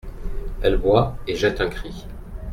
Elle boit et jette un cri.